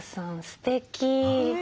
すてき。